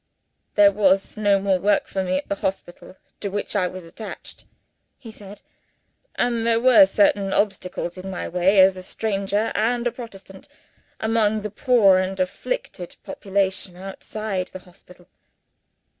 "There was no more work for me at the hospital to which I was attached," he said. "And there were certain obstacles in my way, as a stranger and a Protestant, among the poor and afflicted population outside the hospital.